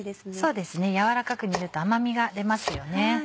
そうですね軟らかく煮ると甘味が出ますよね。